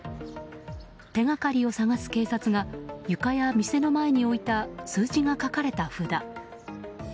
手がかりを探す警察が床や店の前に置いた数字が書かれた札。